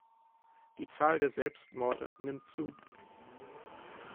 Die Zahl der Selbstmorde nimmt zu.